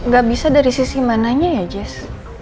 gak bisa dari sisi mananya ya jazz